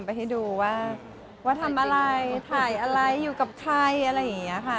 ไปให้ดูว่าทำอะไรถ่ายอะไรอยู่กับใครอะไรอย่างนี้ค่ะ